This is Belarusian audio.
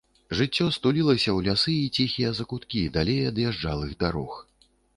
Жыццё стулілася ў лясы і ціхія закуткі, далей ад язджалых дарог.